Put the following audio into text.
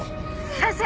先生！